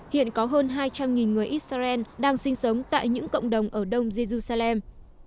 hiện có hơn hai trăm linh người israel đang sinh sống tại những cộng đồng ở đông jejusalem